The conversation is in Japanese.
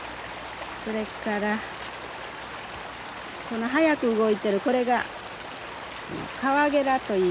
それからこの速く動いてるこれがカワゲラといいます。